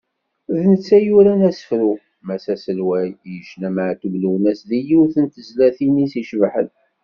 D netta i yuran asefru “Mass aselway” i yecna Meɛtub Lwennas deg yiwet gar tezlatin-is icebḥen.